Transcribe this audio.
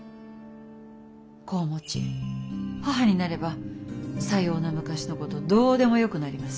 子を持ち母になればさような昔のことどうでもよくなります。